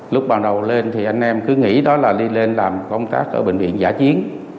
lúc ban đầu lên thì anh em cứ nghĩ đó là đi lên làm công tác ở bệnh viện giả chiến